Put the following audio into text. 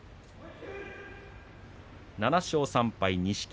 ７勝３敗の錦木